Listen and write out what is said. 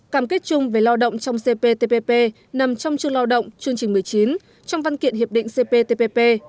cam kết chung về lao động trong cptpp nằm trong chương lao động chương trình một mươi chín trong văn kiện hiệp định cptpp